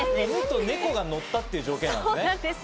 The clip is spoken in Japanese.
犬と猫が乗ったっていう条件なのね。